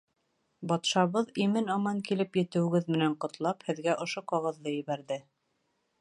— Батшабыҙ, имен-аман килеп етеүегеҙ менән ҡотлап, һеҙгә ошо ҡағыҙҙы ебәрҙе.